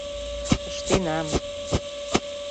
— Ыштенам.